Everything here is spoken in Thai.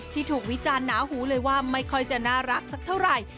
ที่ถูกวิจารณ์หนาหูเลยว่าไม่ค่อยจะน่ารักสักเท่าไหร่